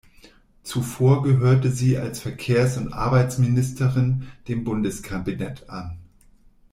Zuvor gehörte sie als Verkehrs- und Arbeitsministerin dem Bundeskabinett an.